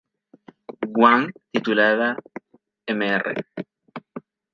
Wang, titulada "Mr.